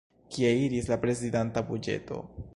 Kie iris la prezidanta buĝeto?